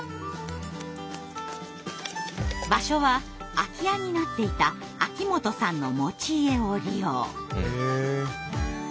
場所は空き家になっていた秋元さんの持ち家を利用。